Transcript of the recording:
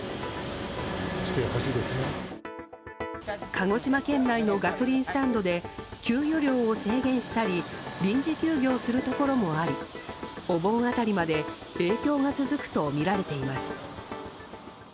鹿児島県内のガソリンスタンドで給油量を制限したり臨時休業するところもありお盆辺りまで影響が続くとみられています。